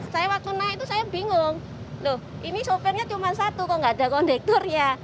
saya waktu naik itu saya bingung loh ini sopirnya cuma satu kok gak ada kondektornya